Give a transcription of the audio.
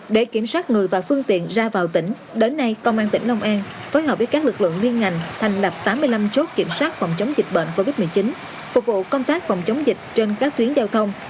để kiểm soát người và phương tiện ra vào tỉnh đến nay công an tỉnh long an phối hợp với các lực lượng liên ngành thành lập tám mươi năm chốt kiểm soát phòng chống dịch bệnh covid một mươi chín phục vụ công tác phòng chống dịch trên các tuyến giao thông